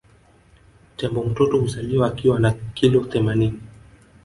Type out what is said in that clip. Tembo mtoto huzaliwa akiwa na kilo themaninini